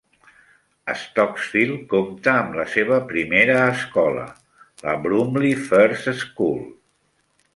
Stocksfield compta amb la seva primera escola, la Broomley First School.